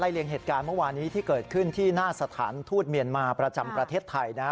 เลียงเหตุการณ์เมื่อวานี้ที่เกิดขึ้นที่หน้าสถานทูตเมียนมาประจำประเทศไทยนะฮะ